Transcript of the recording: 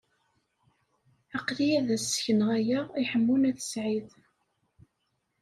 Aql-i ad as-sekneɣ aya i Ḥemmu n At Sɛid.